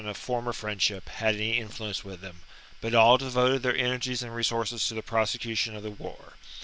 of former friendship, had any influence with them, j but all devoted their energies and resources to I the prosecution of the war.